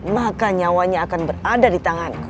maka nyawanya akan berada di tanganku